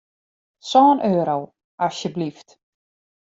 Sân euro, asjeblyft.